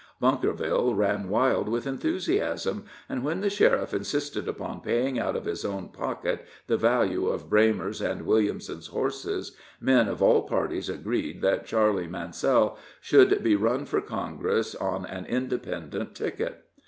Bunkerville ran wild with enthusiasm, and when the sheriff insisted upon paying out of his own pocket the value of Braymer's and Williamson's horses, men of all parties agreed that Charley Mansell should be run for Congress on an independent ticket.